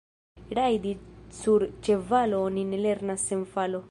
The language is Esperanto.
Rajdi sur ĉevalo oni ne lernas sen falo.